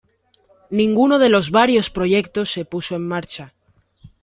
Ninguno de los varios proyectos se puso en marcha.